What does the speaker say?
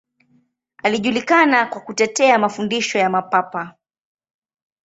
Alijulikana kwa kutetea mafundisho ya Mapapa.